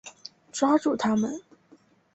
抓住他们！